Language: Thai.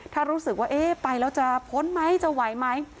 ถ้ารู้สึกว่าเอ๊ะไปแล้วจะพ้นไหมจะไหวไหม